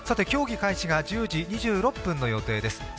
競技開始が１０時２６分の予定です。